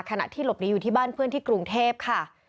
ขณะที่หลบหนีอยู่ที่บ้านเพื่อนที่กรุงเทพค่ะ